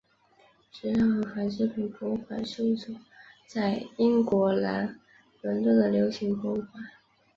时尚和纺织品博物馆是一所在英国南伦敦的流行博物馆。